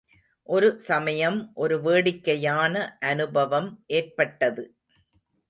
ஒரு சமயம் ஒரு வேடிக்கையான அனுபவம் ஏற்பட்டது.